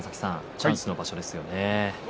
チャンスの場所ですよね。